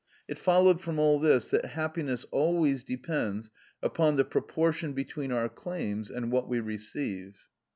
It followed from all this that happiness always depends upon the proportion between our claims and what we receive.